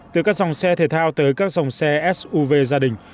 từ các dòng xe thể thao tới các dòng xe suv gia đình